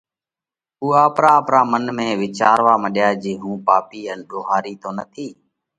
اُو آپرا آپرا منَ ۾ وِيچاروا مڏيا جي هُون پاپِي ان ۮوهارِي تو نٿِي؟